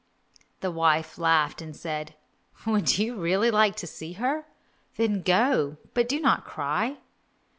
The wife laughed, and said, "Would you really like to see her? Then go, but do not cry."